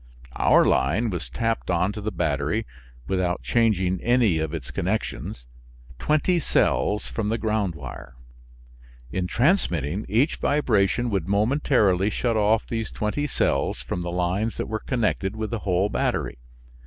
Our line was tapped on to the battery (without changing any of its connections) twenty cells from the ground wire. In transmitting, each vibration would momentarily shut off these twenty cells from the lines that were connected with the whole battery.